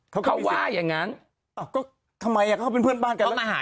เขาเขาว่าอย่างงั้นอ่าก็ทำไมอ่ะเขาเป็นเพื่อนบ้างกันเขามาหา